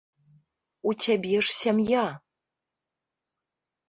У цябе ж сям'я!